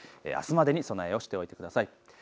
あすまでに備えをしてください。